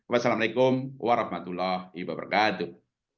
wassalamu alaikum warahmatullahi wabarakatuh